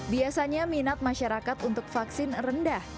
biasanya minat masyarakat untuk vaksin rendah